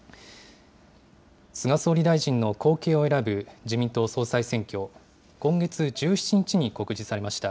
菅総理大臣の後継を選ぶ自民党総裁選挙、今月１７日に告示されました。